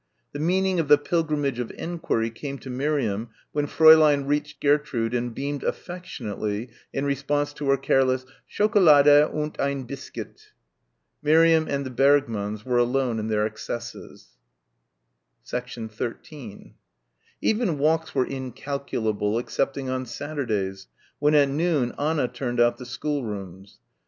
The meaning of the pilgrimage of enquiry came to Miriam when Fräulein reached Gertrude and beamed affectionately in response to her careless "Schokolade und ein Biskuit." Miriam and the Bergmanns were alone in their excesses. 13 Even walks were incalculable excepting on Saturdays, when at noon Anna turned out the schoolrooms.